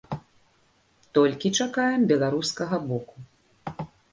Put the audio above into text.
Толькі чакаем беларускага боку.